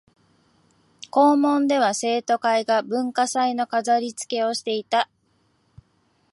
校門では生徒会が文化祭の飾りつけをしていた